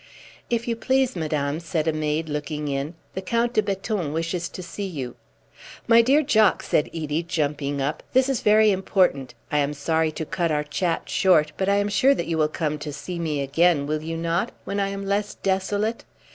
"If you please, madame," said a maid, looking in, "the Count de Beton wishes to see you." "My dear Jock," said Edie, jumping up, "this is very important. I am sorry to cut our chat short, but I am sure that you will come to see me again, will you not, when I am less desolate?